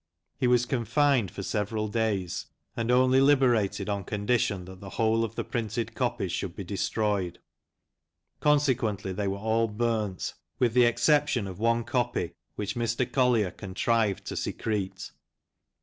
He was confined for several days, and only liberated on condition that the whole of the printed copies should be destroyed ; consequently they were all burnt, with the exception of one copy, which Mr. Collier contrived to secrete.